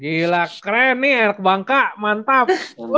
gila keren nih r kebangka mantap